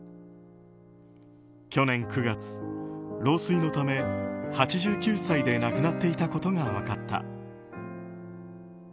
去年９月、老衰のため、８９歳で亡くなっていたことが分かった。